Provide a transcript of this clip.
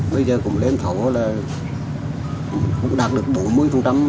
bây giờ cũng lãnh thổ là cũng đạt được bốn mươi phần trăm